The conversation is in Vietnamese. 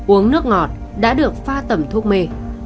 uống nước ngọt đã được pha tẩm thuốc mê